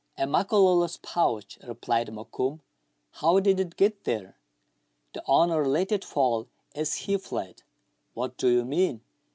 A Makololo's pouch," replied Mokoum. "How did it get there?" " The owner let it fall as he fled." "What do you mean